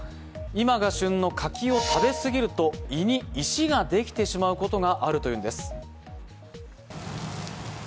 今が旬の柿を食べすぎると胃に石ができてしまうことがあるというんです。